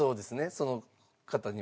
その方には。